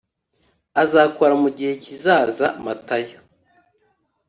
azakora mu gihe kizaza matayo